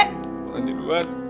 bu ranti duluan